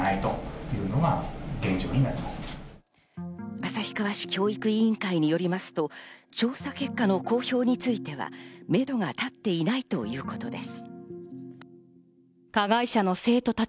旭川市教育委員会によりますと、調査結果の公表については、めどが立っていないということです。